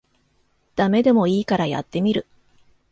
ダメでもいいからやってみる